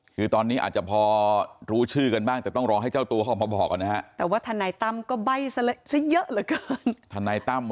คือตอนนี้อาจจะพอรู้ชื่อกันบ้างแต่ต้องรอให้เจ้าตัวเข้ามาบอกกันนะฮะ